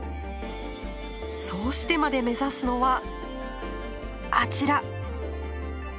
そうしてまで目指すのはあちら。